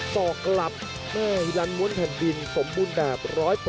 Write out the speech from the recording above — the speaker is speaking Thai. อกกลับแม่ฮิลันม้วนแผ่นดินสมบูรณ์แบบ๑๐๐